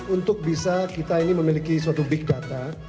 untuk bisa kita ini memiliki suatu big data